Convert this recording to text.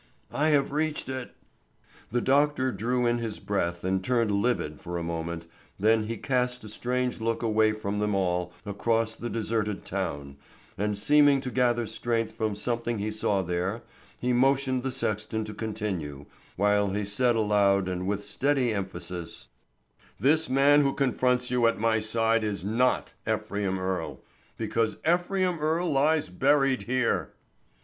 "I have reached it," he said. The doctor drew in his breath and turned livid for a moment, then he cast a strange look away from them all across the deserted town, and seeming to gather strength from something he saw there, he motioned the sexton to continue, while he said aloud and with steady emphasis: "This man who confronts you at my side is not Ephraim Earle, because Ephraim Earle lies buried here!"